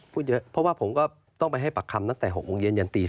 พูดเยอะเพราะว่าผมก็ต้องไปให้ปากคำตั้งแต่๖โมงเย็นยันตี๔